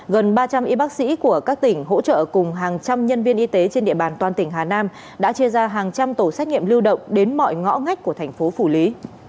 gần ba trăm linh y bác sĩ của các tỉnh hỗ trợ cùng hàng trăm nhân viên y tế trên địa bàn toàn tỉnh hà nam đã chia ra hàng trăm tổ xét nghiệm lưu động đến mọi ngõ ngách của thành phố phủ lý